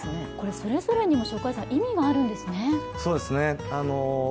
それぞれにも意味があるんですね。